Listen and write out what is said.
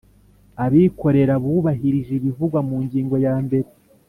Abikorera bubahirije ibivugwa mu ngingo ya mbere